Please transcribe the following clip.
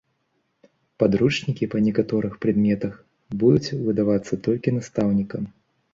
Падручнікі па некаторых прадметах будуць выдавацца толькі настаўнікам.